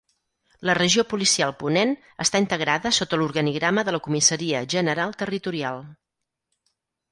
La Regió Policial Ponent està integrada sota l'organigrama de la Comissaria General Territorial.